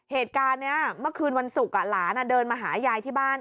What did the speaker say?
เหตุการณ์นี้เมื่อคืนวันศุกร์หลานเดินมาหายายที่บ้าน